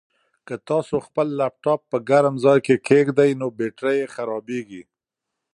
که تاسو خپل لپټاپ په ګرم ځای کې کېږدئ نو بېټرۍ یې خرابیږي.